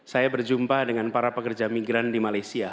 saya berjumpa dengan para pekerja migran di malaysia